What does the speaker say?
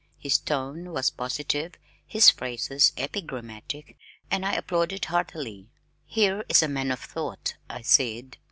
His tone was positive, his phrases epigrammatic, and I applauded heartily. "Here is a man of thought," I said.